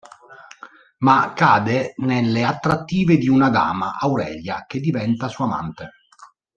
Ma cade nelle attrattive di una dama, Aurelia, che diventa sua amante.